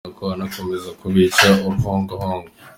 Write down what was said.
ariko nako anakomeza kubica uruhongohongo ?